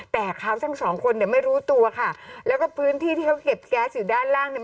แต่เขาทั้งสองคนเนี่ยไม่รู้ตัวค่ะแล้วก็พื้นที่ที่เขาเก็บแก๊สอยู่ด้านล่างเนี่ย